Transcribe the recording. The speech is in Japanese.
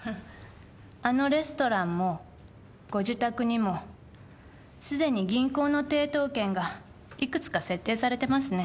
あのレストランもご自宅にもすでに銀行の抵当権がいくつか設定されてますね。